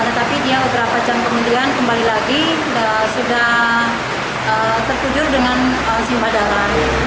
tetapi dia beberapa jam kemudian kembali lagi sudah tertujur dengan simpa darah